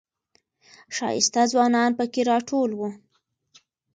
ښایسته ځوانان پکې راټول و.